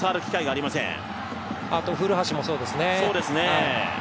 あと古橋もそうですね。